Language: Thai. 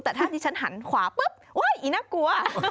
แต่ถ้าที่ฉันหันขวาปุ๊บโอ๊ยอีน่ากลัว